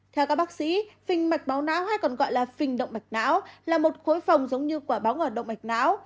theo các bác sĩ phình mạch máu não hay còn gọi là phình động mạch não là một khối phòng giống như quả báo ở động mạch não